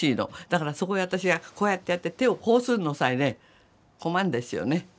だからそこへ私がこうやってやって手をこうするのさえね困るんですよね。